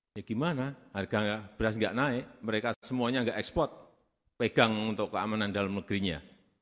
ini gimana harga beras enggak naik mereka semuanya enggak ekspor pegang untuk keamanan dalam negerinya